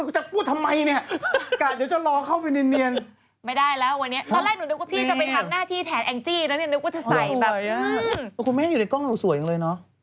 โอเคคุณไม่ให้อยู่ในกล้องหนูสวยอย่างเลยนะ